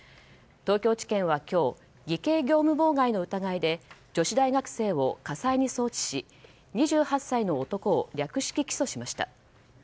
東京地検は今日偽計業務妨害の疑いで女子大学生を家裁に送致し２８歳の男を略式起訴しました。